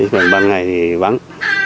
còn ban ngày thì vắng